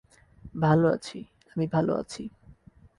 ভালো আছি, আমি ভালো আছি।